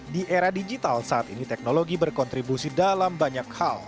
di era digital saat ini teknologi berkontribusi dalam banyak hal